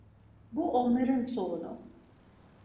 Bu onların sorunu.